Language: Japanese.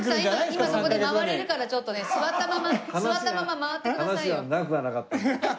今そこで回れるからちょっとね座ったまま座ったまま回ってくださいよ。